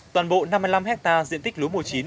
toàn bộ năm mươi năm hectare diện tích lúa mùa chín